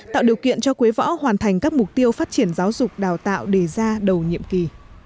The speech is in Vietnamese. tạo điều kiện cho quế võ hoàn thành các mục tiêu phát triển giáo dục đào tạo đề ra đầu nhiệm kỳ